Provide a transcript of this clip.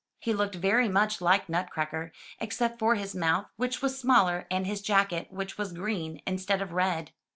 He looked very much like Nutcracker, except for his mouth, which was smaller, and his jacket, which was green instead of red.